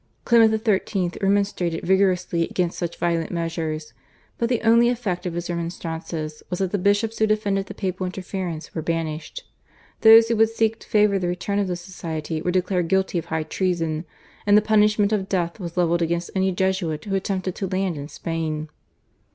Clement XIII. remonstrated vigorously against such violent measures, but the only effect of his remonstrances was that the bishops who defended the papal interference were banished, those who would seek to favour the return of the Society were declared guilty of high treason, and the punishment of death was levelled against any Jesuit who attempted to land in Spain.